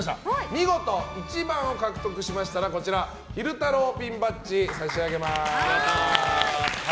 見事１番を獲得しましたら昼太郎ピンバッジを差し上げます。